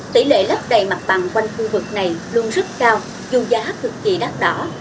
tỷ lệ lắp đầy mặt bằng quanh khu vực này luôn rất cao dù giá thật kỳ đắt đỏ